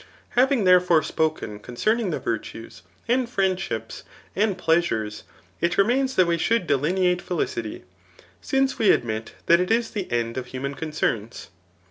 Having therefore spoken concerning the virtues^ and friaidships, and pleasures, k remains that we shook! delineate felicity, since we admit that it is the endof human concerns.